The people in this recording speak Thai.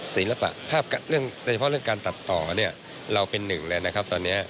ศีลปะภาพการตัดต่อเนี่ยเราเป็นหนึ่งเลยนะครับตอนนี้